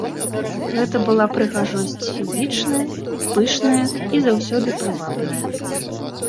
Гэта была прыгажосць фізічная, пышная і заўсёды прывабная.